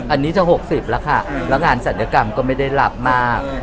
อันนี้จะ๖๐แล้วค่ะแล้วงานศัลยกรรมก็ไม่ได้รับมาก